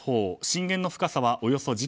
震源の深さはおよそ１０ｋｍ。